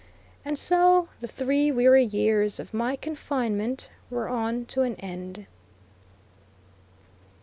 And so the three weary years of my confinement were on to an end.